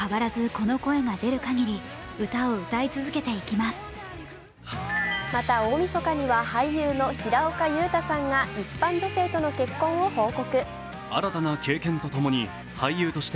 また、大みそかには俳優の平岡祐太さんが一般女性との結婚を報告。